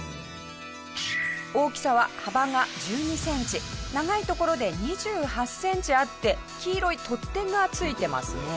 大きさは幅が１２センチ長いところで２８センチあって黄色い取っ手が付いてますね。